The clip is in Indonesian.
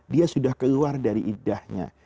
dia sudah keluar dari idahnya